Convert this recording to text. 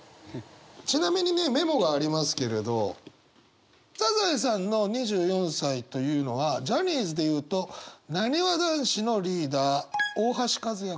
ちなみにねメモがありますけれどサザエさんの２４歳というのはジャニーズでいうとなにわ男子のリーダー大橋和也君。